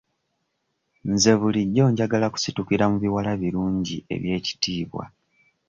Nze bulijjo njagala kusitukira mu biwala birungi eby'ekitiibwa.